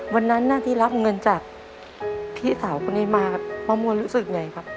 วันนั้นที่รับเงินจากพี่สาวคนนี้มาป้าม่วนรู้สึกไงครับ